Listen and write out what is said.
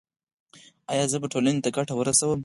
ایا زه به ټولنې ته ګټه ورسوم؟